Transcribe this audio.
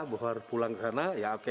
bohar pulang ke sana ya oke